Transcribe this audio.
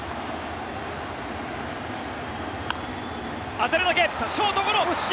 当たるだけ、ショートゴロ！